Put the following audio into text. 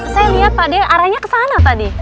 saya lihat pak de arahnya ke sana tadi